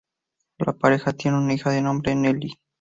La pareja tiene una hija de nombre Nellie.